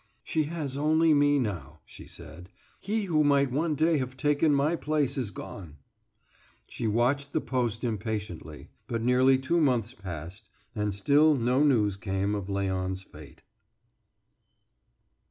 "She has only me now," she said. "He who might one day have taken my place is gone." She watched the post impatiently, but nearly two months passed, and still no news came of Léon's fate.